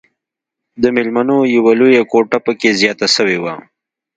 د ميلمنو يوه لويه کوټه پکښې زياته سوې وه.